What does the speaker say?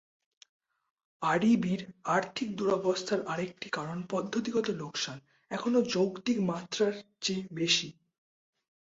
আরইবির আর্থিক দুরবস্থার আরেকটি কারণ পদ্ধতিগত লোকসান এখনো যৌক্তিক মাত্রার চেয়ে বেশি।